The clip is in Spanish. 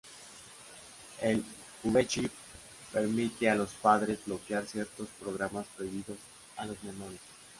El V-Chip permite a los padres bloquear ciertos programas prohibidos a los menores.